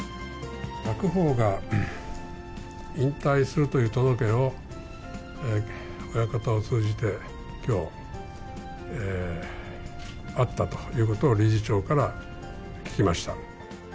白鵬が引退するという届けを、親方を通じて、きょう、あったということを理事長から聞きました。